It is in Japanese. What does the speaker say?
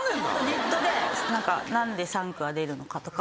ネットで「何でシャンクは出るのか」とか。